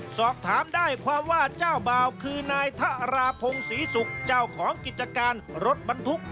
สอบถามได้ความว่าเจ้าบ่าวคือนายทะราพงศรีศุกร์เจ้าของกิจการรถบรรทุก